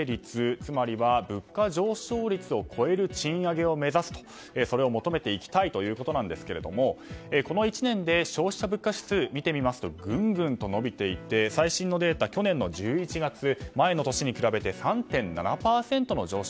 つまりは物価上昇率を超える賃上げを目指すと、それを求めていきたいということですがこの１年で、消費者物価指数はぐんぐんと伸びていて最新のデータ、去年の１１月前の年に比べて３．７％の上昇。